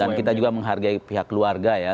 dan kita juga menghargai pihak keluarga ya